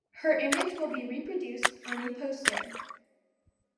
Her image will be reproduced on a poster.